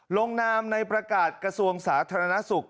ลงนามในประกาศกระทรวงสาธารณสุข